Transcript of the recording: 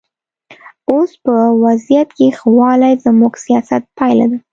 اوس په وضعیت کې ښه والی زموږ سیاست پایله ده.